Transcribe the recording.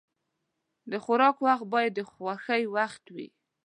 د خوراک وخت باید د خوښۍ وخت وي.